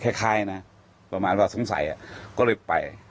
คล้ายนะประมาณว่าสงสัยก็เลยไป